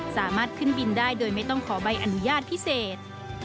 สามารถขึ้นบินได้โดยไม่ต้องขอใบอนุญาตพิเศษ